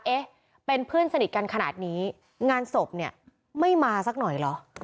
เอ๊ะเป็นเพื่อนสนิทกันขนาดนี้งานศพเนี่ยไม่มาสักหน่อยเหรอ